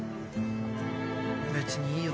別にいいよ